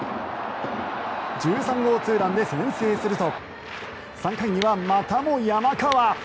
１３号ツーランで先制すると３回には、またも山川。